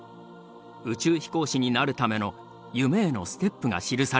宇宙飛行士になるための夢へのステップが記されている。